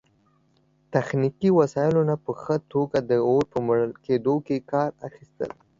تخنیکي وسایلو نه په ښه توګه د اور په مړه کیدو کې کار اخیستل